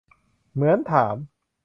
เหมือนถาม